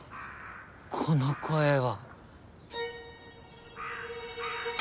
この声は。